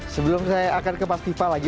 sebelum saya akan ke pak stifan lagi